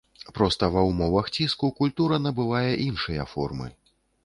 Проста ва ўмовах ціску культура набывае іншыя формы.